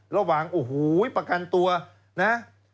ระหว่างโอ้โหประกันตัวนะ